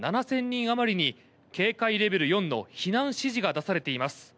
あまりに警戒レベル４の避難指示が出されています。